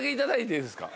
いいですか？